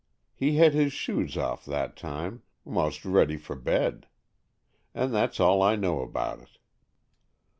He had his shoes off that time, 'most ready for bed. And that's all I know about it."